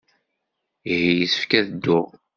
Ihi yessefk ad dduɣ.